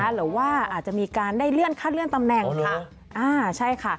หรือว่าอาจจะมีการได้เลื่อนขั้นเลื่อนตำแหน่งค่ะอ่าใช่ค่ะ